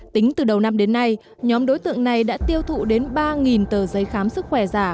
tính từ đầu năm đến nay nhóm đối tượng này đã tiêu thụ đến ba tờ giấy khám sức khỏe giả